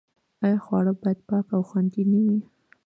آیا خواړه باید پاک او خوندي نه وي؟